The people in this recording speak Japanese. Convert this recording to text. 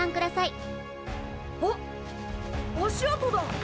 あっ足跡だ！